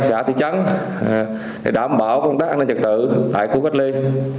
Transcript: xã thị trấn để đảm bảo công tác an ninh trật tự tại khu cách ly